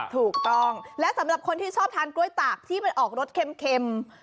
ถูกต้องและสำหรับคนที่ชอบทานกล้วยตากที่มันออกรสเค็ม